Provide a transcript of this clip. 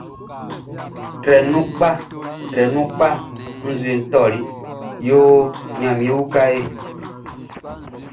Trɛ nu pka trɛ nu pka nʼzue nʼtôlô yôhô, gnamien o kahé.